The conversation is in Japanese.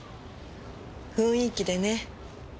雰囲気でね。